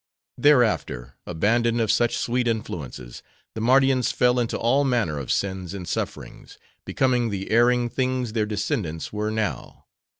Thereafter, abandoned of such sweet influences, the Mardians fell into all manner of sins and sufferings, becoming the erring things their descendants were now.